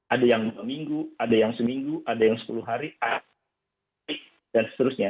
ada yang dua minggu ada yang seminggu ada yang sepuluh hari dan seterusnya